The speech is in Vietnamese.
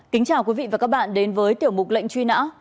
kính chào quý vị và các bạn đến với tiểu mục lệnh truy nã